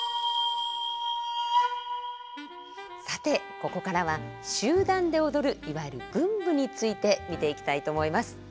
さてここからは集団で踊るいわゆる群舞について見ていきたいと思います。